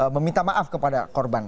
meminta maaf kepada korban